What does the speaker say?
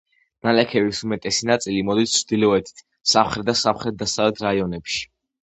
ნალექების უმეტესი ნაწილი მოდის ჩრდილოეთით, სამხრეთ და სამხრეთ-დასავლეთ რაიონებში.